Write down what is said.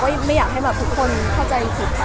สวัสดีต่อมา